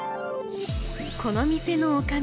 この店のおかみ